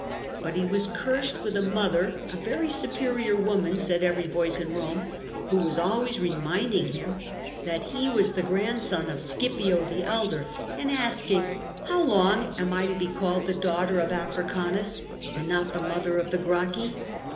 But TIBEEIUS GEAOCHUS 14 he was cursed with a mother (a very superior woraan, said every voice in Eomej, who was always reminding him that he was the grandson of Scipio the elder, and asking, ''How long am I to ha called the daughter of Africanus and not the mother of the Gracchi